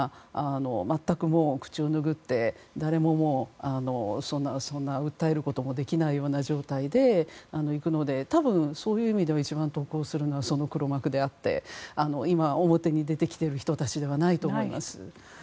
全く口を拭って誰もそんな訴えることもできないような状態でいくので多分、そういう意味では一番得をするのは黒幕であって今、表に出てきている人たちではないと思います。